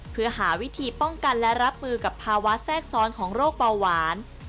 เพื่อหาวิธีป้องกันและรับมือกับภาวะแทรกซ้อนของโรคเบาหวาน